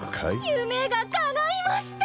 夢が叶いました！